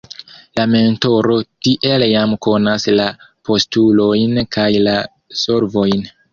La mentoro tiel jam konas la postulojn kaj la solvojn.